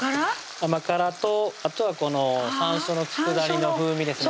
甘辛とあとはこの山椒の佃煮の風味ですね